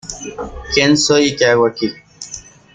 Quién soy y qué hago aquí...